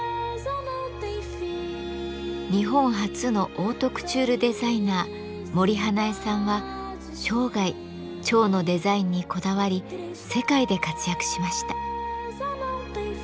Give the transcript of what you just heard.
日本初のオートクチュールデザイナー森英恵さんは生涯蝶のデザインにこだわり世界で活躍しました。